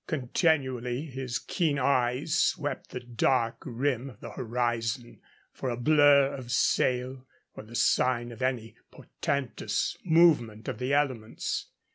Continually his keen eyes swept the dark rim of the horizon for a blur of sail or the sign of any portentous movement of the elements.